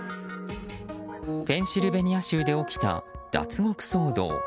ペンシルベニア州で起きた脱獄騒動。